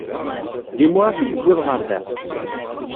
D imuras i d-tewwiḍ ɣer da?